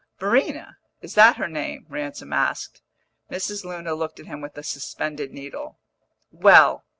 "Verena is that her name?" Ransom asked. Mrs. Luna looked at him with a suspended needle. "Well!